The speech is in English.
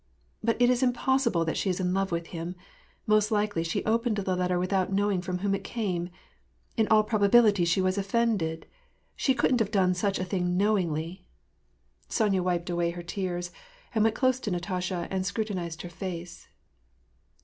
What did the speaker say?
" But it is impossible that she is in love with him. Most likely she opened the letter without knowing from whom it came. In all probability she was offended. She couldn't have done such a thing knowingly." Sonya wiped away her tears, and went close to Natasha, and scrutinized her face.